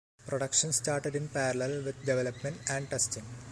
Production started in parallel with development and testing.